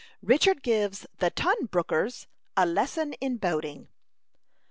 RICHARD GIVES THE TUNBROOKERS A LESSON IN BOATING.